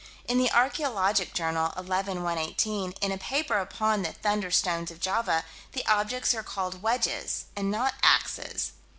In the Archaeologic Journal, 11 118, in a paper upon the "thunderstones" of Java, the objects are called "wedges" and not "axes."